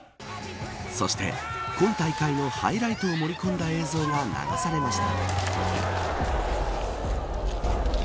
そして今大会のハイライトを盛り込んだ映像が流されました。